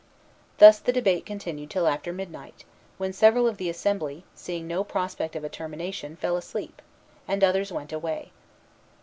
Thus the debate continued till after midnight, when several of the assembly, seeing no prospect of a termination, fell asleep, and others went away.